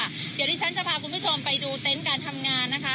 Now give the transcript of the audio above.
เดี๋ยวที่ฉันจะพาคุณผู้ชมไปดูเต็นต์การทำงานนะคะ